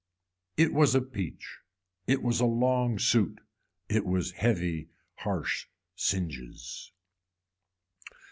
It was a peach, it was a long suit, it was heavy harsh singes.